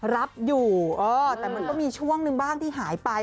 รับอยู่เออแต่มันก็มีช่วงหนึ่งบ้างที่หายไป